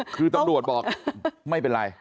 คือตำรวจบอกไม่เป็นไร